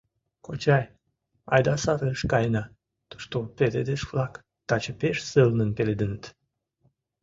Кочай, айда сад ыш каена: тушто пеледыш-влак таче пеш сылнын пеледыныт!..